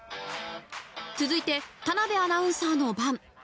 続いて田辺アナウンサーの番。